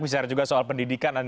bicara juga soal pendidikan